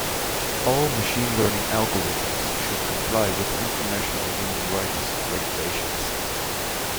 All machine learning algorithms should comply with international human rights regulations.